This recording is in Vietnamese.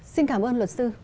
xin cảm ơn luật sư